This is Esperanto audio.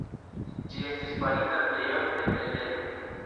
Ĝi estis farita plej ofte el ledo.